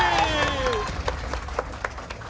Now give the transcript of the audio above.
เย้